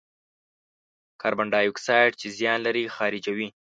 کاربن دای اکساید چې زیان لري، خارجوي.